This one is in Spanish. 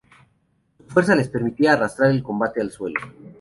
Su fuerza les permitía arrastrar el combate al suelo.